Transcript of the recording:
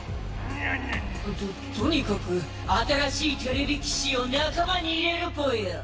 ぬぬぬ。ととにかく新しいてれび騎士を仲間に入れるぽよ。